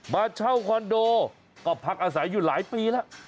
มาเช่าคอนโดก็พักอาศัยอยู่หลายปีแล้ว